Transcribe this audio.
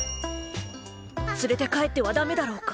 連れて帰ってはダメだろうか？